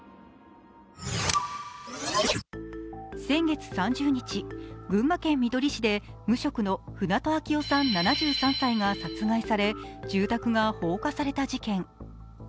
先月３０日、群馬県みどり市で無職の船戸秋雄さん７３歳が殺害され住宅が放火された事件。